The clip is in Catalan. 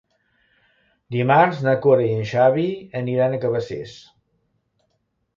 Dimarts na Cora i en Xavi aniran a Cabacés.